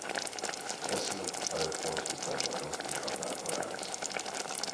Testing of the fire point is done by open cup apparatus.